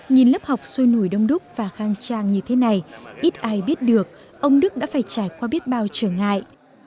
nhìn lớp học sôi nổi đông đúc và khang trang như thế này ít ai biết được ông đức đã phải trải qua biết bao trở ngại